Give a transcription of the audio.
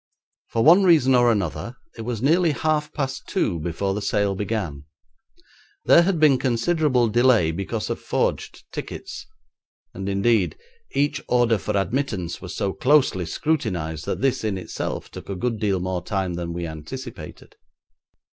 For one reason or another it was nearly half past two before the sale began. There had been considerable delay because of forged tickets, and, indeed, each order for admittance was so closely scrutinised that this in itself took a good deal more time than we anticipated.